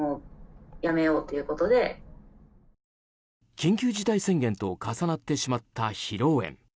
緊急事態宣言と重なってしまった披露宴。